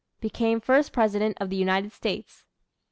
Became first President of the United States.